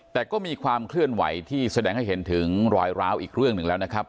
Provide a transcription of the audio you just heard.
แต่ก็มีความเคลื่อนไหวที่แสดงให้เห็นถึงรอยร้าวอีกเรื่องหนึ่งแล้วนะครับ